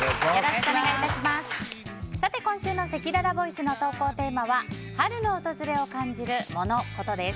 今週のせきららボイスの投稿テーマは春の訪れを感じるモノ・コトです。